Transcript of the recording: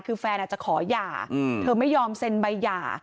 คือแฟนอาจจะขอหย่าเธอไม่ยอมเซ็นใบหย่า